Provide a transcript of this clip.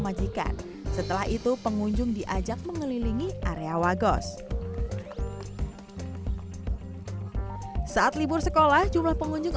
majikan setelah itu pengunjung diajak mengelilingi area wagos saat libur sekolah jumlah pengunjung